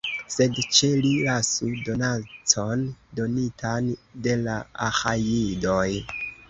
Sed ĉe li lasu donacon, donitan de la Aĥajidoj.